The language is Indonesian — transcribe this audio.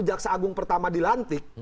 kejaksa agung pertama dilantik